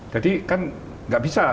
jadi kan nggak bisa